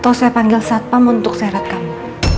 atau saya panggil satpam untuk serat kamu